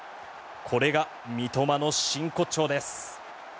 これが三笘の真骨頂です。